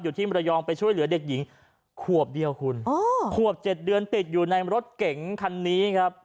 ที่มรยองไปช่วยเหลือเด็กหญิงขวบเดียวคุณอ๋อขวบ๗เดือนติดอยู่ในรถเก๋งคันนี้ครับ